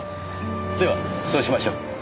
ではそうしましょう。